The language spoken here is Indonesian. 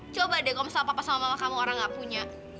coba deh kalau masalah papa sama mama kamu orang gak punya